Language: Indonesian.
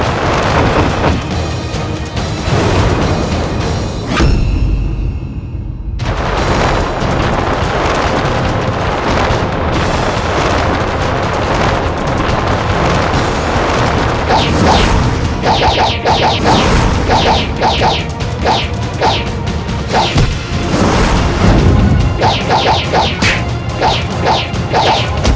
ada sendiri mikrolobo h